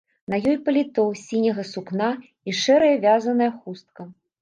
На ёй паліто з сіняга сукна і шэрая вязаная хустка.